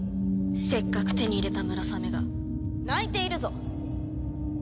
せっかく手に入れたムラサメが泣いているぞ！